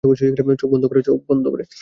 চোখ বন্ধ করে?